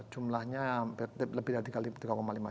jumlahnya lebih dari tiga lima juta